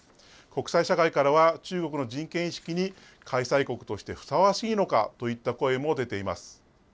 国際社会からは、中国の人権意識に、開催国としてふさわしいのかといった声も出ています。